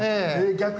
逆に。